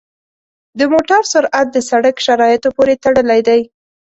د موټر سرعت د سړک شرایطو پورې تړلی دی.